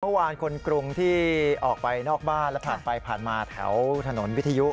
เมื่อวานคนกรุงที่ออกไปนอกบ้านและผ่านไปผ่านมาแถวถนนวิทยุ